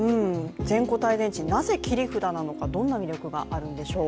全固体電池、なぜ切り札なのか、どんな魅力があるんでしょう？